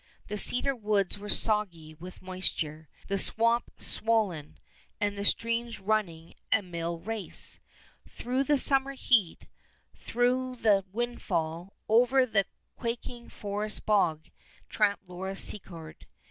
The cedar woods were soggy with moisture, the swamp swollen, and the streams running a mill race. Through the summer heat, through the windfall, over the quaking forest bog, tramped Laura Secord.